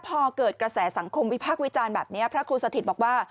พอเกิดกระแสสังคมวิพากษ์วิจารณ์แบบนี้พระครูสถิตบอกว่า